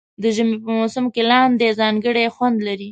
د ژمي په موسم کې لاندی ځانګړی خوند لري.